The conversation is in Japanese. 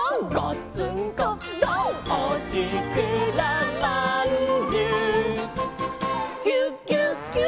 「おしくらまんじゅギュッギュッギュッ」